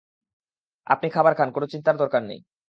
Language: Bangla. আপনি খাবার খান, কোনো চিন্তার দরকার নেই।